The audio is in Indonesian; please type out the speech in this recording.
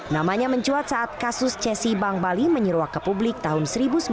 namanya mencuat saat kasus cesi bank bali menyeruak ke publik tahun seribu sembilan ratus sembilan puluh